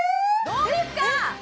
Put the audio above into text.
どうですか！